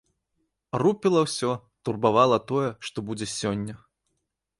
Рупіла ўсё, турбавала тое, што будзе сёння.